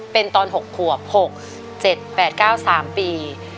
เป็นตอน๖ขวบ๖๗๘๙๓ปี